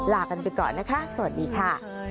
ลากันไปก่อนนะคะสวัสดีค่ะ